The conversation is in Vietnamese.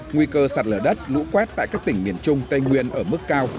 nguy cơ sạt lở đất lũ quét tại các tỉnh miền trung tây nguyên ở mức cao